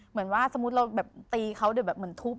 เหมือนว่าสมมุติเราตีเขาเดี๋ยวเหมือนทุบ